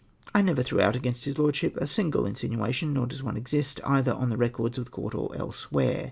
I never threw out against his lordship a single in sinuation, nor does one exist, either on the records of the Court or elsewhere.